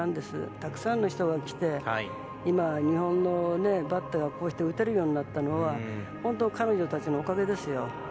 たくさんの人が来て今、日本のバットがこうして打てるようになったのは本当、彼女たちのおかげですよ。